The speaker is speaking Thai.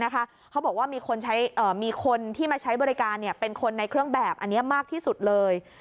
เขาบอกว่ามีคนที่มาใช้บริการเป็นคนในเครื่องแบบอันนี้มากที่สุดเลย